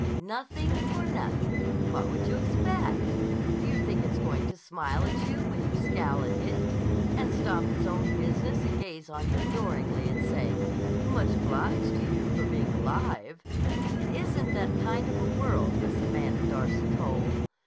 "Nothing for nothing. What would you expect? Do you think it's going to smile at you when you scowl at it, and stop its own business and gaze on you adoringly and say, 'Much obliged to you for being alive'? It isn't that kind of a world, Miss Amanda Darcy Cole."